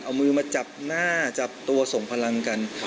เอามือมาจับหน้าจับตัวส่งพลังกัน